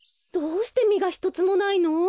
どうしてみがひとつもないの？